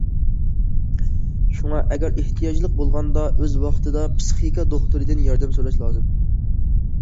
شۇڭا، ئەگەر ئېھتىياجلىق بولغاندا ئۆز ۋاقتىدا پىسخىكا دوختۇرىدىن ياردەم سوراش لازىم.